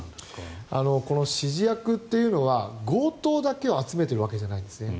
指示役というのは強盗だけを集めているわけじゃないんですね。